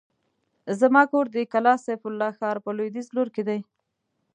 زما کور د کلا سيف الله ښار په لوېديځ لور کې دی.